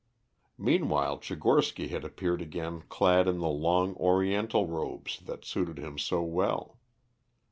Meanwhile Tchigorsky had appeared again clad in the long Oriental robes that suited him so well.